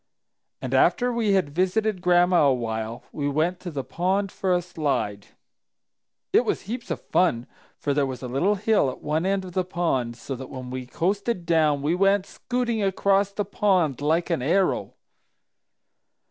"And after we had visited Gran'ma a while, we went to the pond for a slide. "It was heaps of fun, for there was a little hill at one end of the pond so that when we coasted down, we went scooting across the pond like an arrow.